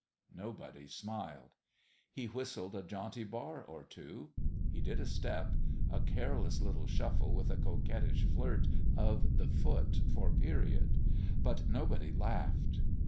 Nobody smiled. He whistled a jaunty bar or two. He did a step a careless little shuffle with a coquettish flirt of the foot for period. But nobody laughed.